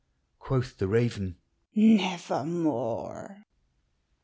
Quoth the raven, " Nevermore